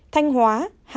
hai thanh hóa